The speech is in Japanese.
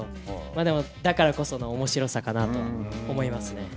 でも、だからこそのおもしろさかなとは思いますね。